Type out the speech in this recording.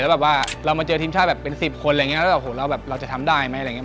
แบบว่าเรามาเจอทีมชาติแบบเป็น๑๐คนอะไรอย่างนี้แล้วแบบโหเราแบบเราจะทำได้ไหมอะไรอย่างนี้